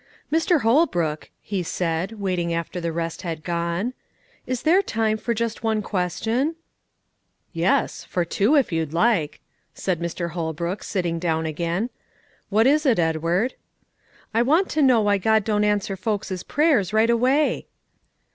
"Mr. Holbrook," he said, waiting after the rest had gone, "is there time for just one question?" "Yes, for two, if you like," said Mr. Holbrook, sitting down again; "what is it, Edward?" "I want to know why God don't answer folks' prayers right away?"